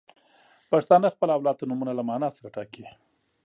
• پښتانه خپل اولاد ته نومونه له معنا سره ټاکي.